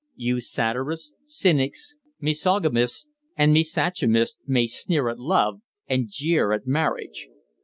You satirists, cynics, misogamists and misogynists may sneer at love, and jeer at marriage.